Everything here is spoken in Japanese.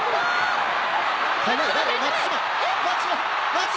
松島。